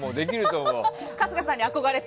春日さんに憧れて。